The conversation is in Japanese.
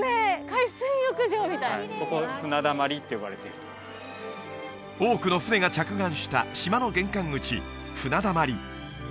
海水浴場みたい多くの船が着岸した島の玄関口船だまり